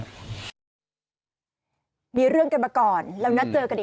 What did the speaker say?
ผมก็เลยเรียกเพื่อนมารับผมให้ฝากผมกลับบ้านอะไรอย่างนี้